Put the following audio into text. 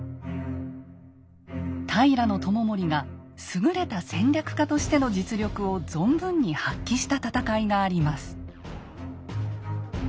平知盛が優れた戦略家としての実力を存分に発揮した戦いがあります。